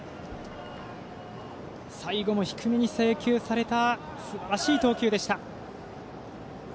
最後も低めに制球されたすばらしい投球でした。